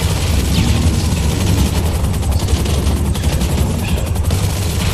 L'église est située dans le département français de l'Allier, sur la commune de Chappes.